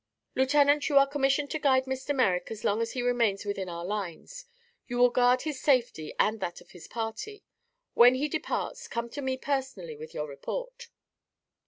"Lieutenant, you are commissioned to guide Mr. Merrick as long as he remains within our lines. You will guard his safety and that of his party. When he departs, come to me personally with your report."